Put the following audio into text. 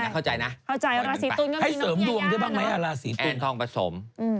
เข้าใจนะให้เสริมดวงได้บ้างไหมอ่ะราศีตุลทองผสม